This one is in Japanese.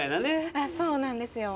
あっそうなんですよ。